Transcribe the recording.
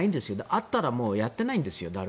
あったらもうやってないんですよ。